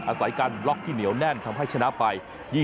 อาศัยการบล็อกที่เหนียวแน่นทำให้ชนะไป